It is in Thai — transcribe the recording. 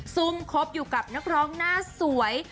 ซุ่มคบอยู่กับนักร้องหน้าสวย